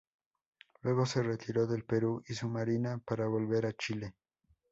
Luego se retiró del Perú y su marina para volver a Chile.